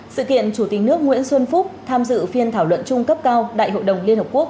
sự kiện chủ tịch nước nguyễn xuân phúc tham dự phiên thảo luận chung cấp cao đại hội đồng liên hợp quốc